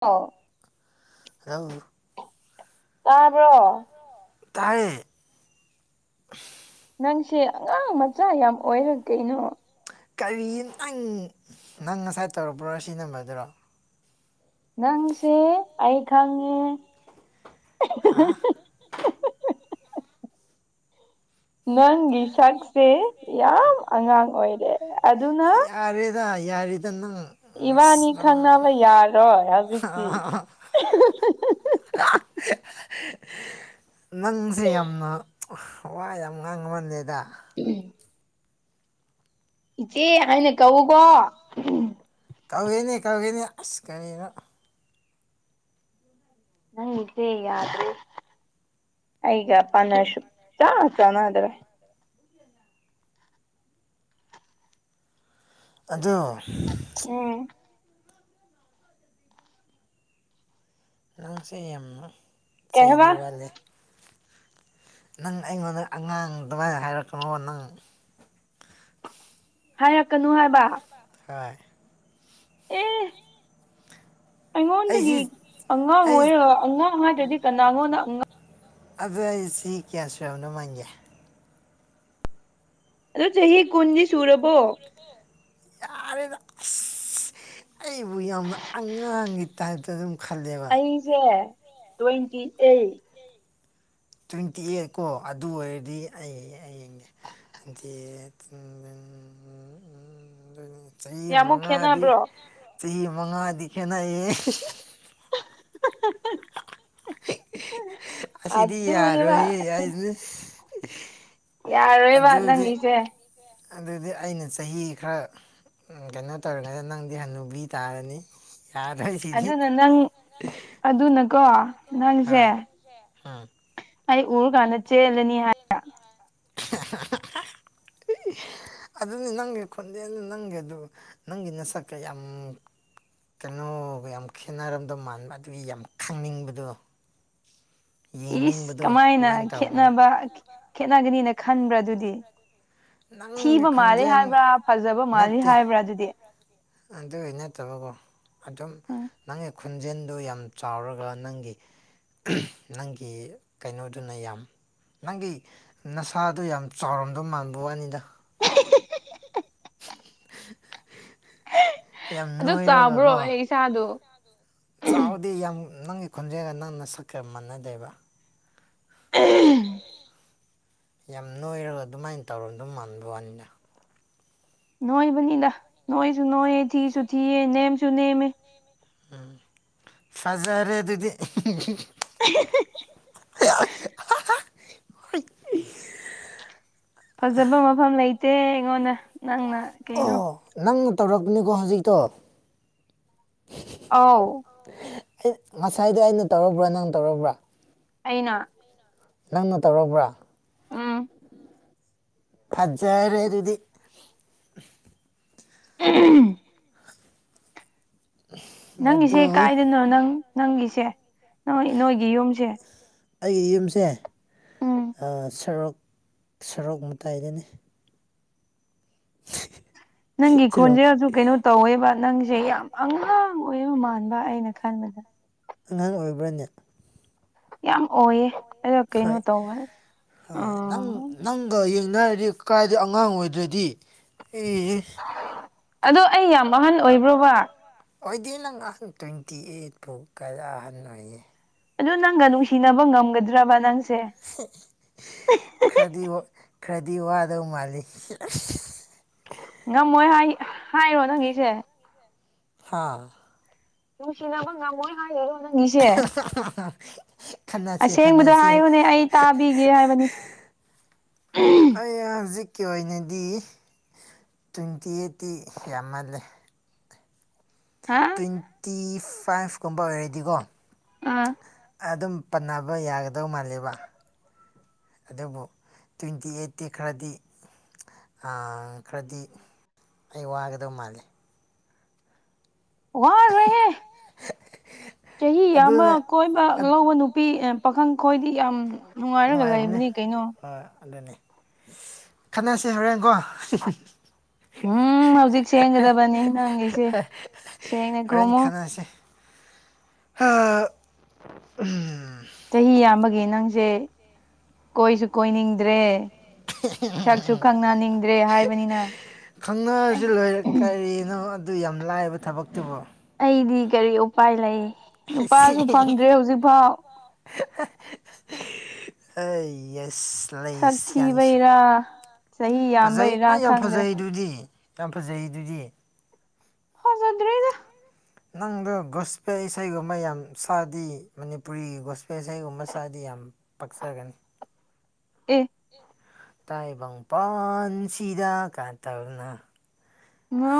ꯑꯥꯎ ꯂꯧꯁꯤꯟꯕ ꯉꯝꯗꯕ ꯇꯥꯕ꯭ꯔꯣ ꯇꯥꯏꯌꯦ ꯅꯪꯁꯦ ꯑꯉꯥꯡ ꯃꯆꯥ ꯌꯥꯝ ꯑꯣꯏꯔ ꯀꯩꯅꯣ ꯀꯔꯤ ꯅꯪ ꯅꯪ ꯉꯁꯥꯏ ꯇꯧꯔꯛꯄ꯭ꯔꯣ ꯁꯤ ꯅꯝꯕꯔꯗꯔꯣ ꯅꯪꯁꯦ ꯑꯩ ꯈꯪꯉꯦ ꯍꯥꯥ ꯅꯪꯒꯤ ꯁꯛꯁꯦ ꯌꯥꯝ ꯑꯉꯥꯡ ꯑꯣꯏꯔꯦ ꯌꯥꯔꯦꯗ ꯌꯥꯔꯤꯗ ꯅꯪ ꯏꯕꯥꯅꯤ ꯈꯪꯅꯕ ꯌꯥꯔꯣꯏ ꯍꯧꯖꯤꯛꯇꯤ ꯏꯍꯥ ꯍꯥ ꯍꯥ ꯍꯥ ꯂꯧꯁꯤꯟꯕ ꯉꯝꯗꯕ ꯅꯪꯁꯦ ꯌꯥꯝꯅ ꯋꯥ ꯌꯥꯝ ꯉꯥꯡꯃꯟꯂꯦꯗ ꯎꯝ ꯏꯆꯦ ꯍꯥꯏꯅ ꯀꯧꯎꯀꯣ ꯀꯧꯒꯦꯅꯦ ꯀꯧꯒꯦꯅꯦ ꯑꯁ ꯀꯔꯤꯅꯣ ꯅꯪ ꯏꯆꯦ ꯌꯥꯗ꯭ꯔꯦ ꯑꯩꯒ ꯄꯥꯅꯔꯁꯨ ꯆꯥ ꯆꯥꯅꯗ꯭ꯔꯦ ꯑꯗꯣ ꯎꯝ ꯅꯪꯁꯦ ꯌꯥꯝꯅ ꯆꯩꯗꯤ ꯋꯥꯠꯂꯦ ꯅꯪ ꯑꯩꯉꯣꯟꯗ ꯑꯉꯥꯡ ꯑꯗꯨꯃꯥꯏꯅ ꯍꯥꯏꯔꯛꯀꯅꯣꯕ ꯅꯪ ꯍꯥꯏꯔꯛꯀꯅꯨ ꯍꯥꯏꯕ ꯍꯣꯏ ꯑꯦ ꯑꯩꯉꯣꯟꯗꯒꯤ ꯑꯉꯥꯡ ꯑꯣꯏꯔꯒ ꯑꯉꯥꯡ ꯍꯥꯏꯗ꯭ꯔꯗꯤ ꯀꯅꯥꯉꯣꯟꯗ ꯑꯉꯥꯡ ꯑꯗꯨ ꯑꯩꯁꯤ ꯀꯌꯥ ꯁꯨꯔꯎꯅꯣ ꯃꯪꯒꯦ ꯑꯣ ꯆꯍꯤ ꯀꯨꯟꯗꯤ ꯁꯨꯔꯕꯣ ꯑ ꯑꯩꯕꯨ ꯌꯥꯝꯅ ꯑꯉꯥꯡꯒꯤ ꯇꯥꯏꯞꯇ ꯑꯗꯨꯝ ꯈꯜꯂꯦꯕ ꯁꯦ ꯇ꯭ꯋꯦꯟꯇꯤ ꯑꯩꯠ ꯇ꯭ꯋꯦꯟꯇꯤ ꯑꯩꯠ ꯀꯣ ꯑꯗꯨ ꯑꯣꯏꯔꯗꯤ ꯑꯩ ꯌꯦꯡꯅꯦ ꯗꯤ ꯎ ꯆꯍꯤ ꯃꯉꯥꯗꯤ ꯆꯍꯤ ꯃꯉꯥꯗꯤ ꯈꯦꯅꯩꯌꯦ [inaudible] ꯑꯁꯤꯁꯤꯗꯤꯔꯣ ꯍ ꯌꯥ ꯌꯥꯔꯣꯏꯕ ꯅꯪꯒꯤꯁꯦ ꯑꯗꯨꯗꯤ ꯑꯩꯅ ꯆꯍꯤ ꯈꯔ ꯀꯩꯅꯣ ꯇꯧꯔꯒꯗꯤ ꯅꯪꯗꯤ ꯍꯟꯅꯨꯕꯤ ꯇꯥꯔꯅꯤ ꯌꯥꯗ ꯑꯗꯨꯅ ꯅꯪ ꯑꯗꯨꯅꯀꯣ ꯅꯪꯁꯦ ꯑ ꯎꯔ ꯀꯥꯟꯅ ꯆꯦꯂꯅꯤ ꯍꯥꯏ ꯍꯥꯍꯦꯍꯥ ꯑꯗꯨꯅꯤ ꯅꯪꯒꯤ ꯈꯣꯟꯖꯦꯜꯗ ꯅꯪꯒꯤ ꯑꯗꯨ ꯅꯪꯒꯤ ꯅꯁꯛꯀ ꯌꯥꯝ ꯀꯩꯅꯣꯒ ꯌꯥꯝ ꯈꯦꯠꯅꯔꯝꯗꯧ ꯃꯥꯟꯕ ꯑꯗꯨꯒꯤ ꯌꯥꯝ ꯈꯪꯅꯤꯡꯕꯗꯣ ꯏꯁꯑ ꯀꯃꯥꯏꯅ ꯈꯦꯠꯅꯕꯥ ꯈꯦꯠꯅꯒꯅꯤꯅ ꯈꯟꯕ꯭ꯔꯥ ꯑꯗꯨꯗꯤ ꯊꯤꯕ ꯃꯥꯜꯂꯤ ꯍꯥꯏꯕ꯭ꯔꯥ ꯐꯖꯕ ꯃꯥꯜꯂꯤꯦ ꯍꯥꯏꯕ꯭ꯔꯥ ꯑꯗꯨꯗꯤ ꯑꯗꯨꯒꯤ ꯅꯠꯇꯕꯀꯣ ꯑꯗꯨꯝ ꯅꯪꯒꯤ ꯈꯣꯟꯖꯦꯜꯗꯨ ꯌꯥꯝ ꯆꯥꯎꯔꯒ ꯅꯪꯒꯤ ꯅꯪꯒꯤ ꯀꯩꯅꯣꯗꯨꯅ ꯌꯥꯝ ꯅꯪꯒꯤ ꯅꯁꯥꯗꯣ ꯌꯥꯝ ꯆꯥꯎꯔꯝꯗꯕ ꯃꯥꯟꯕ ꯋꯥꯅꯤꯗ [inaudible] ꯑꯗꯨ ꯆꯥꯕ꯭ꯔꯣ ꯑꯩ ꯏꯁꯥꯗꯣ ꯆꯥꯎꯗꯤ ꯌꯥꯝ ꯅꯪꯒꯤ ꯈꯣꯟꯖꯦꯜꯒ ꯅꯪꯅ ꯁꯛꯀꯒ ꯃꯥꯟꯅꯗꯦꯕ ꯎꯝꯍꯝ ꯌꯥꯝ ꯅꯣꯏꯔꯒ ꯑꯗꯨꯃꯥꯏꯅ ꯇꯧꯔ ꯑꯗꯨꯝ ꯃꯥꯟꯕ ꯋꯥꯅꯤꯅ ꯅꯣꯏꯕꯅꯤꯗ ꯅꯣꯡꯣꯏꯁꯨ ꯅꯣꯦ ꯊꯤꯁꯨ ꯊꯤꯌꯦꯦ ꯅꯦꯦꯝꯁꯨ ꯅꯦꯃꯦ ꯎꯝ ꯐꯖꯔꯦ ꯑꯗꯨꯗꯤ ꯑ ꯑ ꯍꯣꯏ ꯐꯖꯕ ꯃꯐꯝ ꯂꯩꯇꯦ ꯑꯩꯉꯣꯟꯗ ꯅꯪꯅ ꯀꯩꯅꯣ ꯅꯪ ꯇꯧꯔꯛꯄꯅꯤꯀꯣ ꯍꯧꯖꯤꯛꯇꯣ [unintelligible] [inaudible] ꯑꯥꯎꯎ ꯑꯩ ꯉꯁꯥꯏꯗꯣ ꯑꯩꯅ ꯇꯧꯔꯕ꯭ꯔꯥ ꯅꯪ ꯇꯧꯔꯕ꯭ꯔꯥ ꯑꯩꯅꯅ ꯅꯪꯅ ꯇꯧꯔꯕ꯭ꯔꯥ ꯎꯝꯝ ꯐꯖꯔꯦ ꯑꯗꯨꯗꯤ ꯎ [unintelligible] [inaudible] ꯅꯪꯒꯤꯁꯦ ꯀꯥꯏꯗꯅꯣ ꯅꯪ ꯅꯪꯒꯤꯁꯦ ꯅ ꯅꯣꯏꯒꯤ ꯌꯨꯝꯁꯦ ꯑꯩꯒꯤ ꯌꯨꯝꯁꯦ ꯁꯔꯣꯛ ꯁꯔꯣꯛ ꯃꯇꯥꯏꯗꯅꯤ ꯅꯪꯒꯤ ꯈꯣꯟꯖꯦ ꯁꯨ ꯀꯩꯅꯣ ꯇꯧꯋꯦꯕ ꯅꯪꯁꯦ ꯌꯥꯝ ꯑꯉꯥꯡ ꯑꯣꯏꯕ ꯃꯥꯟꯕ ꯑꯩꯅ ꯈꯟꯕꯗ ꯑꯉꯥꯡ ꯑꯣꯏꯕ꯭ꯔꯥꯅꯦ ꯌꯥꯝ ꯑꯣꯏꯌꯦ ꯑꯗꯣ ꯀꯩꯅꯣ ꯇꯧ ꯎ ꯌꯦꯡꯅꯔꯗꯤ ꯀꯗꯥꯗꯩ ꯑꯉꯥꯡ ꯑꯣꯏꯗ꯭ꯔꯗꯤ ꯑꯦ ꯑ° ꯑꯗꯣ ꯑꯩ ꯌꯥꯝ ꯑꯍꯟ ꯑꯣꯏꯕ꯭ꯔꯣꯕ ꯑꯣꯏꯗꯤ ꯅꯪ ꯑꯍꯟ ꯇ꯭ꯋꯦꯟꯇꯤ ꯑꯩꯠ ꯐꯥꯎ ꯀꯥꯏꯔꯛ ꯑꯍꯟ ꯑꯣꯏꯌꯦ ꯑꯗꯨ ꯅꯪꯒ ꯅꯨꯡꯁꯤꯅꯕ ꯉꯝꯒꯗ꯭ꯔꯕ ꯅꯪꯁꯦ ꯏꯋꯣ ꯈꯔꯗꯤ ꯋꯥꯗꯧ ꯃꯥꯜꯂꯤ ꯑꯁ ꯉꯝꯃꯣꯏ ꯍꯥꯏ ꯍꯥꯏꯔꯣ ꯅꯪꯒꯤꯁꯦ ꯍꯥꯥꯍ ꯅꯨꯡꯁꯤꯅꯕ ꯉꯝꯃꯣꯏ ꯍꯥꯏꯔꯤꯔꫭ ꯑꯍꯝꯍꯥꯍꯍ ꯑꯁꯦꯡꯕꯗꯨ ꯍꯥꯏꯌꯨꯅꯦ ꯑꯩ ꯇꯥꯕꯤꯒꯦ ꯍꯥꯏꯕꯅꯤ ꯑꯩ ꯍꯧꯖꯤꯛꯀꯤ ꯑꯣꯏꯅꯗꯤ ꯇ꯭ꯋꯦꯟꯇꯤ ꯑꯩꯠꯇꯤ ꯌꯥꯝꯃꯜꯂꯦ ꯍꯥ ꯇ꯭ꯋꯦꯟꯇꯤ ꯐꯥꯏꯚꯀꯨꯝꯕ ꯑꯣꯏꯔꯗꯤꯀꯣ ꯑꯥ ꯑꯗꯨꯝ ꯄꯅꯕ ꯌꯥꯒꯗꯧ ꯃꯥꯜꯜꯂꯤꯕ ꯑꯗꯨꯕꯨ ꯇ꯭ꯋꯦꯟꯇꯤ ꯑꯩꯠꯇꯇꯤ ꯈꯔꯗꯤ ꯑꯥ ꯈꯔꯗꯤ ꯑꯩ ꯋꯥꯒꯗꯧꯕ ꯃꯥꯜꯂꯤ ꯋꯥꯔꯣꯏ ꯍꯦ ꯆꯍꯤ ꯌꯥꯝꯃ ꯀꯣꯏꯕ ꯂꯧꯕ ꯅꯨꯄꯤ ꯄꯥꯈꯪ ꯈꯣꯏꯗꯤ ꯌꯥꯝ ꯅꯨꯡꯉꯥꯏꯔꯒ ꯂꯩꯕꯅꯤ ꯀꯩꯅꯣ ꯍꯣꯢ ꯑꯗꯨꯅ° ꯈꯟꯅꯁꯦ ꯍꯥꯢꯔꯦꯀꯣ ꯍꯤ ꯍꯥ ꯍꯥ ꯍꯣꯔꯦꯟ ꯈꯟꯅꯁꯦ ꯍꯥꯥ ꯎꯝ ꯆꯍꯤ ꯌꯥꯝꯕꯒꯤ ꯅꯪꯖꯦ ꯀꯣꯏꯁꯨ ꯀꯣꯏꯅꯤꯡꯗ꯭ꯔꯦ ꯁꯛꯁꯨ ꯈꯪꯅꯅꯤꯡꯗ꯭ꯔꯦ ꯍꯥꯏꯕꯅꯤꯅꯥ ꯑꯩ ꯀꯔꯤꯅꯣ ꯑꯗꯨ ꯌꯥꯝ ꯂꯥꯏꯕ ꯊꯕꯛꯇꯨꯕꯨ ꯑꯩꯗꯤ ꯀꯔꯤ ꯎꯄꯥꯏ ꯂꯩ ꯅꯨꯄꯥꯁꯨ ꯐꯪꯗ° ꯍꯧꯖꯤꯛꯐꯥꯎ ꯑꯩ ꯌꯦꯁ ꯂꯩꯁ ꯌꯥꯅꯤꯁꯤ ꯐꯖꯩ ꯅꯪ ꯌꯥꯝ ꯐꯖꯩ ꯑꯗꯨꯗꯤ ꯌꯥꯝ ꯐꯖꯩ ꯗꯨꯗꯤ ꯊꯖꯗ꯭ꯔꯦꯗꯥ ꯅꯪꯗ ꯒꯣꯁꯄꯦ ꯏꯁꯩꯒꯨꯝꯕ ꯌꯥꯝ ꯁꯥꯥꯗꯤ ꯃꯅꯤꯄꯨꯔꯤꯒꯤ ꯒꯣꯁꯄꯦ ꯏꯁꯩꯒꯨꯝꯕ ꯁꯥꯗꯤ ꯌꯥꯝ ꯄꯛꯆꯒꯅꯤ ꯑꯦ ꯇꯥꯏꯕꯪꯄꯥꯟꯁꯤꯗ ꯀꯥ ꯇꯧꯅ ꯉ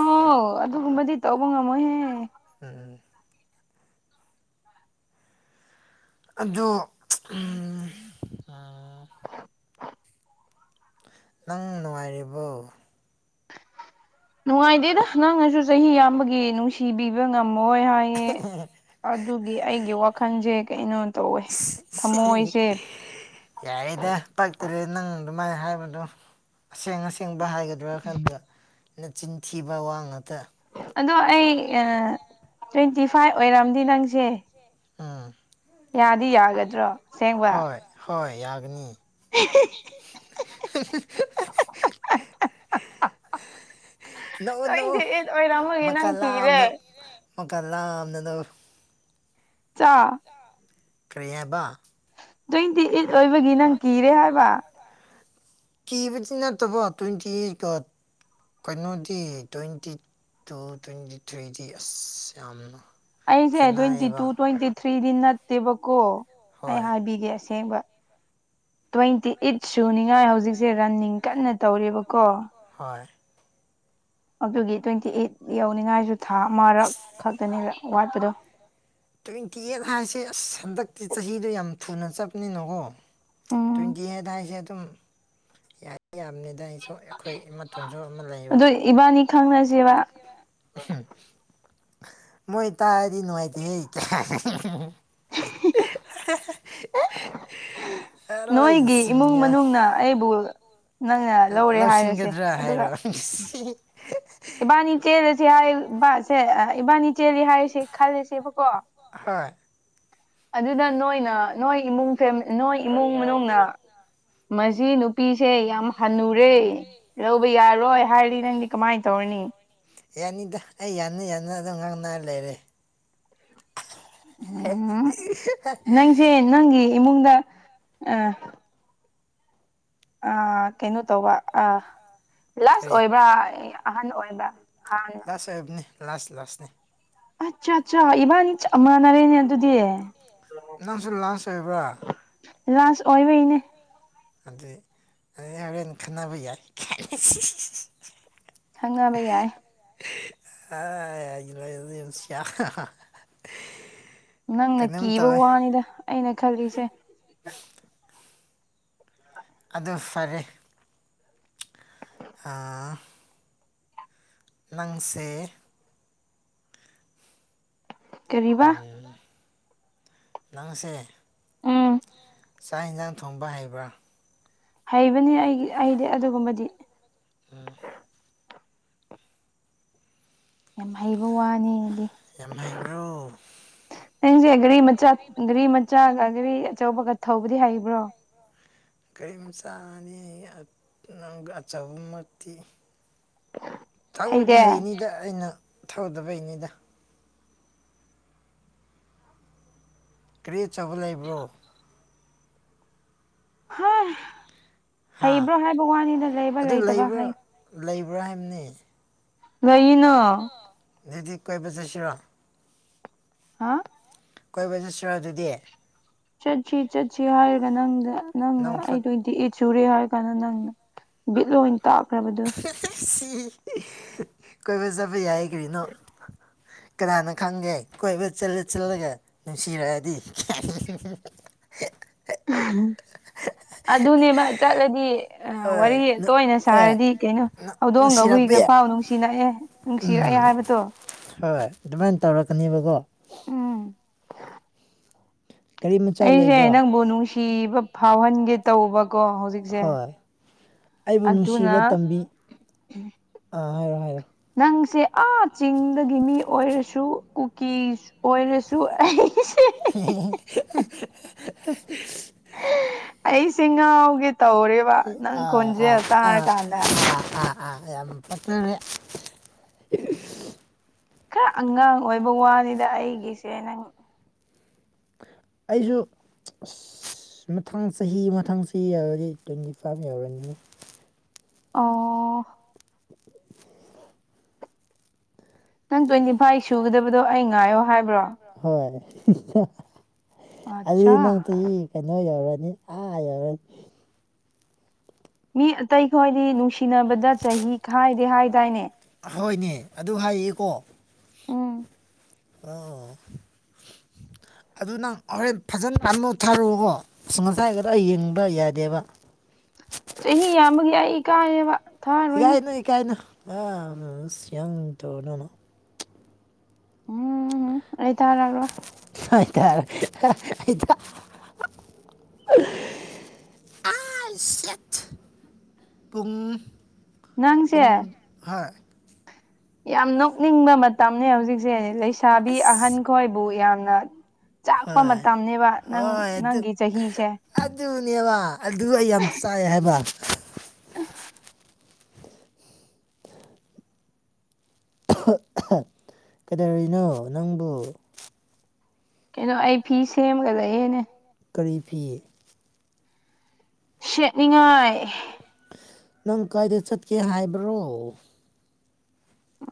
ꯑꯗꯨꯒꯨꯝꯕꯗꯤ ꯇꯧꯕ ꯉꯝꯃꯣꯏꯍꯦ ꯎꯝ ꯑꯗꫭ ꯑꯝ ꯅꯪꯕꯨ ꯅꯨꯡꯉꯥꯏꯔꯤꯕꯣ ꯅꯨꯡꯉꯥꯏꯇꯦꯗ ꯅꯪꯅꯁꯨ ꯆꯍꯤ ꯌꯥꯝꯕꯒꯤ ꯅꯨꯡꯁꯤꯕꯤꯕ ꯉꯝꯃꯣꯏ ꯍꯥꯏ ꯑꯩ ꯑꯗꯨꯒꯤ ꯑꯩꯒꯤ ꯋꯥꯈꯜꯁꯦ ꯀꯩꯅꯣꯝ ꯇꯧꯋꯦ ꯊꯝꯃꯣꯏꯁꯦ ꯌꯥꯏꯌꯦꯗꯥ ꯄꯥꯛꯇꯔꯦ ꯅꯪ ꯑꯗꯨꯃꯥꯏꯅ ꯍꯥꯏꯕꯗꯣ ꯑꯁꯦꯡ ꯑꯁꯦꯡꯕ ꯍꯥꯏꯒꯗ꯭ꯔꯥ ꯈꯜꯔꯒꯥ ꯅꯆꯤꯟꯊꯤꯕ ꯋꯥ ꯉꯥꯛꯇ ꯑꯗꯣ ꯑꯩ ꯇ꯭ꯋꯦꯟꯇꯤ ꯐꯥꯏꯚ ꯑꯣꯏꯔꯝꯗꯤ ꯅꯪꯁꯦ ꯑꯝ ꯌꯥꯗꯤ ꯌꯥꯒꯗ꯭ꯔꯣ ꯍꯣꯏ ꯍꯣꯏ ꯌꯥꯒꯅꯤ ꯅꯣꯛꯎ ꯅꯧꯛꯎ ꯃꯀꯥ ꯂꯥꯝꯅ ꯃꯀꯥ ꯂꯥꯝꯅ ꯅꫭꯡꯎ ꯆꯥꯑꯥ ꯀ꯭ꯔꯤ ꯍꯥꯏꯕꯥ ꯇ꯭ꯋꯦꯟꯇꯤ ꯑꯩꯠ ꯑꯣꯏꯕꯒꯤ ꯅꯪ ꯀꯤꯔꯦ ꯍꯥꯏꯕ ꯀꯤꯕꯨꯗꯤ ꯅꯠꯇꯕꯣ ꯇ꯭ꯋꯦꯟꯇꯤ ꯑꯩꯠꯠ ꯀꯩꯅꯣꯗꯤ ꯇ꯭ꯋꯦꯟꯇꯤ ꯇꯨ ꯇ꯭ꯋꯦꯟꯇꯤ ꯊ꯭ꯔꯤꯗꯤ ꯑꯁ ꯌꯥꯝꯅ ꯑꯩꯁꯦ ꯇ꯭ꯋꯦꯟꯇꯤ ꯇꯨ ꯇ꯭ꯋꯦꯟꯇꯤ ꯊ꯭ꯔꯤꯗꯤ ꯅꯠꯇꯦꯕꯀꯣ ꯑꯩ ꯍꯥꯏꯕꯤꯒꯦ ꯑꯁꯦꯡꯕ ꯇ꯭ꯋꯦꯟꯇꯤ ꯑꯩꯠ ꯁꯨꯅꯤꯉꯥꯏ ꯍꯧꯖꯤꯛꯁꯤ ꯔꯟꯅꯤꯡ ꯀꯟꯅꯥ ꯇꯧꯔꯤꯕꯀꯣ ꯍꫭꯏ ꯑꯗꯨꯒꯤ ꯇ꯭ꯋꯦꯟꯇꯤ ꯑꯩꯠ ꯌꯧꯅꯤꯡꯉꯥꯏꯁꯨ ꯊꯥ ꯑꯃꯔꯛ ꯈꯛꯇꯅꯤꯕ ꯋꯥꯠꯄꯗꯣ꯫ ꯇ꯭ꯋꯦꯟꯇꯤ ꯑꯦꯠ ꯍꯥꯏꯁꯦ ꯑꯁ ꯍꯟꯗꯛꯇꯤ ꯆꯍꯤꯗꯣ ꯌꯥꯝ ꯊꯨꯅ ꯆꯠꯄꯅꯤꯅꯀꯣ ꯇ꯭ꯋꯇꯥꯑ°ꯠ ꯍꯥꯏꯁꯦ ꯑꯗꯨ ꯌꯥꯗꯤ ꯌꯥꯝꯅꯤꯗ ꯁꯨꯝ ꯑ ꯑꯩꯈꯣꯏ ꯏꯃꯟꯁꯨ ꯑꯃ ꯂꯩꯕ ꯍꯝ ꯃꯣꯏ ꯇꯥꯔꯗꯤ ꯅꯨꯡꯉꯥꯏꯇꯦ ꯀꯥꯏꯅꯥ ꯑꯔꯣ ꯁꯤꯅꯤꯌꯥ [unintelligible] ꯑꯥ ꯑꯩꯕꯨ ꯂꯧꯁꯤꯟꯒꯗ꯭ꯔꯥ ꯍꯥꯏꯔꯣ ꯏꯕꯥꯅꯤ ꯆꯦꯜꯂꯁꯤ ꯍꯥꯏ ꯏꯁꯦ ꯏꯕꯥꯅꯤ ꯆꯦꯜꯂꯤ ꯍꯥꯏꯔꯤꯁꯦ ꯈꯂꯁꯦꯕꯀꯣ ꯍꯣꯏ ꯑꯗꯨꯗ ꯅꯣꯏꯅ ꯅꯣꯏ ꯏꯃꯨꯡ ꯐ ꯅꯣꯏ ꯏꯃꯨꯡ ꯃꯅꯨꯡꯅ ꯃꯁꯤ ꯅꯨꯄꯤꯁꯤ ꯌꯥꯝꯅ ꯍꯟꯅꯨꯔꯦ ꯂꯧꯕ ꯌꯥꯔꯣꯏ ꯍꯥꯏꯔꯗꯤ ꯅꯪ ꯀꯃꯥꯏꯅ ꯇꯧꯒꯅꯤ ꯌꯥꯅꯤꯗ ꯑꯩ ꯌꯥꯅꯥ ꯌꯥꯅꯥ ꯑꯗꯨꯝ ꯉꯥꯡꯅꯔ ꯂꯩꯔꯦ [inaudible] ꯅꯪꯒꯤ ꯏꯃꯨꯡꯗ ꯑꯥ꯫ ꯑꯥ ꯀꯩꯅꯣ ꯇꯧꯕ ꯑꯥ ꯂꯥꯁ ꯑꯣꯏꯕ꯭ꯔꯥ ꯑꯍꯟ ꯑꯣꯏꯕ꯭ꯔꯥ ꯍꯥꯟꯅ ꯊꯛꯇꯔ° ꯍꯥꯏꯕꯅꯤ ꯂꯥꯁ ꯂꯥꯁꯅꯤ ꯑꯠꯆꯥ ꯑꯠꯆꯥ ꯏꯕꯥꯅꯤ ꯆꯞ ꯃꯥꯟꯅꯔꯦꯅꯦ ꯑꯗꯨꯗꯤ ꯅꯪꯁꯨ ꯂꯥꯟꯁ ꯑꯣꯏꯕ꯭ꯔꯥ ꯂꯥꯁ ꯑꯣꯏꯕꯩꯅꯦ ꯑꯗꯨ ꯍꯣꯔꯦꯟ ꯈꯟꯅꯕ ꯌꯥꯏ ꯈꯪꯅꯕꯥ ꯌꯥꯏ꯫ [inaudible] ꯅꯪꯅ ꯀꯤꯕ ꯋꯥꯅꯤꯗ ꯑꯩꯅ ꯈꯜꯂꯤꯁꯦ ꯑꯗꯨ ꯐꯔꯦ ꯑꯥ ꯅꯪꯁꯦ ꯎꯝ ꯅꯪꯁꯦ ꯆꯥꯛ ꯌꯦꯟꯁꯥꯡ ꯊꯣꯡꯕ ꯍꯩꯕꯔꯥ ꯍꯩꯕꯅꯤ ꯑꯩꯒꯤ ꯑꯩꯗꯤ ꯑꯗꯨꯒꯨꯝꯕꯗꯤ ꯎꯨꯝ ꯌꯥꯝ ꯍꯩꯕ ꯋꯥꯅꯦꯑꯗꯤ ꯌꯥꯝ ꯍꯩꯕ꯭ꯔꯣ ꯅꯪꯁꯦ ꯒꯥꯔꯤ ꯃꯆꯥ ꯒꯥꯔꯤ ꯃꯆꯥꯒ ꯒꯥꯔꯤ ꯑꯆꯧꯕꯒ ꯊꯧꯕꯗꯤ ꯍꯩꯕ꯭ꯔꯣ ꯒꯔꯤꯝ ꯃꯆꯥꯔꯅꯤ ꯍꯩ ꯑꯗꯨꯒꯥ ꯑꯆꯧꯕ ꯃꯛꯇꯤ ꯊꯧꯔꯗꯤ ꯍꯩꯅꯤꯗ ꯑꯩꯅ ꯊꯧꯗꯕꯩꯅꯤꯗꯥ ꯒꯔꯤ ꯑꯆꯧꯕꯥ ꯂꯩꯕ꯭ꯔꯣ ꯍꯥꯏ ꯍꯩꯕ꯭ꯔꯣ ꯍꯥꯏꯕ ꯋꯥꯅꯤꯅ ꯂꯩꯕ ꯂꯩꯇꯕ ꯍꯥꯏ ꯂꯩꯕ꯭ꯔꯥ ꯍꯥꯏꯕꯅꯤ ꯑꯗꯨꯗꯤ ꯀꯣꯏꯕ ꯆꯠꯁꯤꯔꯣ ꯍꯥꯥ ꯀꯣꯏꯕ ꯆꯠꯁꯤꯔ ꯑꯗꯨꯗꯤ ꯆꯠꯁꯤ ꯆꯠꯁꯤ ꯍꯥꯏꯔꯒ ꯅꯪꯗ ꯅꯪꯅ ꯑꯩꯗꯗꯤ ꯏꯠ ꯆꯨꯔꯦ ꯍꯥꯏꯔ ꯀꯥꯟꯗ ꯅꯪꯅ ꯕꯤꯠ ꯑꯣꯏꯅ ꯇꯥꯛꯈ꯭ꯔꯕꯗꯨ ꯁꯤ ꯀꯣꯏꯕ ꯆꯠꯕ ꯌꯥꯏ ꯀꯔꯤꯅꯣ ꯀꯅꯥꯅ ꯈꯪꯒꯦ ꯀꯣꯏꯕ ꯆꯠꯂ ꯆꯜꯂꯒ ꯅꯨꯡꯁꯤꯔꯛꯑꯗꯤ [inaudible] ꯑꯗꯨꯅꯦꯕ ꯆꯠꯂꯗꯤ ꯋꯥꯔꯤ ꯇꯣꯏꯅ ꯁꯥꯔꯗꯤ ꯀꯩꯅꯣ ꯍꯧꯗꯣꯡꯒ ꯍꯨꯏꯒ ꯄꯥꯎ ꯅꯨꯡꯁꯤꯅꯑꯦ ꯎꯝ ꯍꯣꯏ ꯑꯗꯨꯃꯥꯏꯅ ꯇꯧꯔꯛꯀꯅꯦꯕꯀꯣ ꯑꯩꯁꯦ ꯅꯪꯕꯨ ꯅꯨꯡꯁꯤꯕ ꯐꯥꯎꯍꯟꯒꯦ ꯍꯣꯏ ꯑꯩꯕꯨ ꯅꯨꯡꯁꯤꯕ ꯇꯝꯕꯤ ꯑꯥ ꯍꯥꯏꯔꯣ ꯍꯥꯏꯔꯣ ꯅꯪꯁꯦ ꯑꯥ ꯆꯤꯡꯗꯒꯤ ꯃꯤ ꯑꯣꯏꯔꯁꯨ ꯀꯨꯀꯤ ꯑꯣꯏꯔꯁꯨ ꯑꯩ [unintelligible] [unintelligible] ꯑꯩ ꯁꯤ ꯉꯥꯎꯒꯦ ꯇꯧꯔꯦ ꯑꯥ ꯑꯥ ꯑꯥ ꯑꯥ ꯑꯥ ꯑꯥ ꯌꯥꯝ ꯐꯠꯇꯅꯦ ꯈꯔ ꯑꯉꯥꯡ ꯑꯣꯏꯕ ꯋꯥꯅꯤꯗ ꯑꯩꯒꯤꯁꯦ ꯅꯪ ꯑꯩꯁꯨ ꯑꯁ ꯃꯊꯪ ꯆꯍꯤ ꯃꯊꯪ ꯆꯍꯤ ꯌꯥꯎꯔꯗꯤ ꯂꯒꯤ ꯐꯥꯝ ꯌꯥꯎꯔꯅꯤ ꯑꯣ [inaudible] ꯅꯪ ꯇ꯭ꯋꯦꯟꯇꯤ ꯐꯥꯏꯚ ꯁꯨꯒꯗꯕꯗꯣ ꯑꯩ ꯉꯥꯏꯌꯣ ꯍꯥꯏꯕ꯭ꯔꯣ ꯍꯣꯏ ꯑꯗꯨꯗꯤ ꯅꯪꯛꯁꯦ ꯀꯩꯅꯣ ꯌꯧꯔꯅꯤ ꯑꯥ ꯌꯧꯔꯅꯤ ꯃꯤ ꯑꯇꯩ ꯈꯣꯏꯗꯤ ꯅꯨꯡꯁꯤꯅꯕꯗ ꯆꯍꯤ ꯈꯥꯏꯗꯦ ꯍꯥꯏ ꯇꯏꯅꯦ ꯑꯣꯏꯅꯦ ꯑꯗꯨ ꯍꯥꯏꯌꯦꯀꯣ ꯑꯣ ꯑꯗꯨ ꯅꯪ ꯍꯣꯔꯦꯟ ꯐꯖꯅ ꯇꯥꯅꯣ ꯊꯥꯔꯛꯑꯣꯀꯣ ꯑꯁ ꯉꯁꯥꯏ ꯈꯔ ꯌꯦꯡꯕ ꯌꯥꯗꯦꯕ ꯆꯍꯤ ꯌꯥꯝꯃꯒ ꯑꯩ ꯀꯥꯏꯑꯦꯕ ꯊꯥꯏ ꯏꯀꯥꯏꯅ ꯏꯀꯥꯏꯅ ꯑ ꯌꯥꯡ ꯇꯧꯔꯒ ꯎꯝ ꯑꯩ ꯇ ꯑꯔꯜ ꯑꯇꯥ [unintelligible] [unintelligible] ꯄꯨꯡ ꯍꯥꯏ ꯌꯥꯝ ꯅꯣꯛꯅꯤꯡꯕ ꯃꯇꯝꯅꯤ ꯍꯧꯖꯤꯛꯁꯦ ꯂꯩꯁꯥꯕꯤ ꯑꯍꯟ ꯈꯣꯏꯕꯨ ꯌꯥꯝꯅ ꯆꯥꯛꯄ ꯃꯇꯝꯅꯦ ꯍꯣꯏ ꯑꯗꯨ ꯑꯗꯨꯅꯦꯕ ꯑꯗꯨ ꯑꯩ ꯌꯥꯝ ꯆꯥꯛꯑꯥ ꯍꯥꯏꯕ ꯎꯝ ꯀꯩꯗꯧꯔꯤꯅꯣ ꯅꯪꯕꯨ ꯀꯩꯅꯣ ꯑꯩ ꯐꯤ ꯁꯦꯝꯃꯥꯒ ꯂꯩꯅꯦ ꯀꯔꯤ ꯐꯤ ꯁꯦꯠꯅꯤꯡꯉꯥꯏ ꯅꯪ ꯀꯥꯏꯗ ꯆꯠꯀꯦ ꯍꯥꯏꯕ꯭ꯔꯣ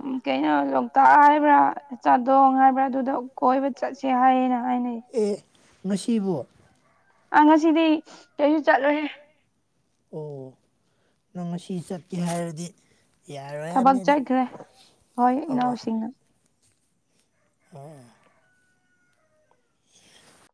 ꯎꯝ ꯀꯩꯅꯣ ꯂꯣꯛꯇꯥꯛ ꯍꯥꯏꯕ꯭ꯔꯥ ꯆꯥꯗꯣꯡ ꯍꯥꯏꯕ꯭ꯔꯥ ꯑꯗꯨꯗ ꯀꯣꯏꯕ ꯆꯠꯁꯤ ꯁꯤ ꯍꯥꯏꯌꯦꯅ ꯍꯥꯏꯅꯩ ꯑꯦ ꯉꯁꯤꯕꯨ ꯑ ꯉꯁꯤꯗꯤ ꯀꯩꯁꯨ ꯆꯠꯂꯣꯏ ꯑꯣ ꯅꯪ ꯉꯁꯤ ꯆꯠꯀꯦ ꯍꯥꯏꯔꯗꯤ ꯌꯥꯔꯣꯏ ꯍꯥꯏꯕꯅꯤꯗ ꯑꯣ ꯑꯣ [unintelligible] [inaudible] [unintelligible] [inaudible]